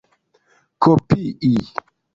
kopii